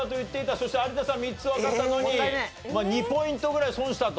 そして有田さん３つわかったのに２ポイントぐらい損したと。